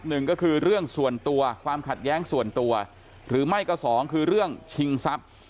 หนึ่งก็คือเรื่องส่วนตัวความขัดแย้งส่วนตัวหรือไม่ก็สองคือเรื่องชิงทรัพย์